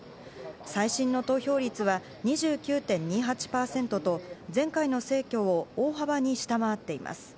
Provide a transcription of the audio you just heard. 最新の投票率は２９．２８％と前回の選挙を大幅に下回っています。